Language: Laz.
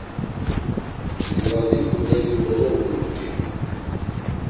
Livadi ǩudeli golovulut̆i.